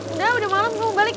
udah udah malem gue mau balik